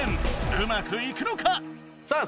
うまくいくのか⁉さあ